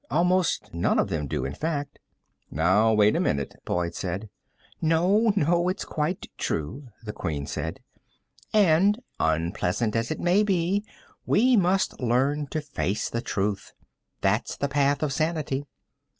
Almost none of them do, in fact." "Now wait a minute," Boyd began. "No, no, it's quite true," the Queen said, "and, unpleasant as it may be, we must learn to face the truth. That's the path of sanity."